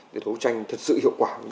để đấu tranh thật sự hiệu quả